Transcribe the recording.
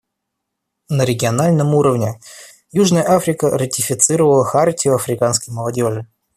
На региональном уровне Южная Африка ратифицировала Хартию африканской молодежи.